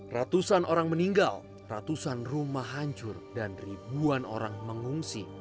ratusan orang meninggal ratusan rumah hancur dan ribuan orang mengungsi